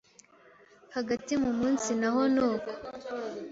Hagati mu munsi naho nuko